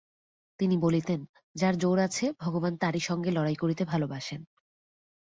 তিনি বলিতেন, যার জোর আছে ভগবান তারই সঙ্গে লড়াই করিতে ভালোবাসেন।